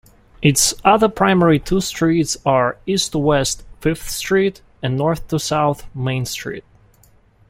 Its other primary two streets are east-to-west Fifth Street and north-to-south Main Street.